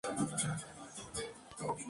A rey muerto, rey puesto